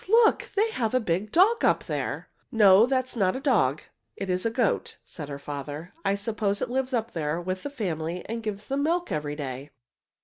Look! They have a big dog up there!" "No, that is not a dog, it is a goat," said her father. "I suppose it lives up there with the family and gives them milk every day.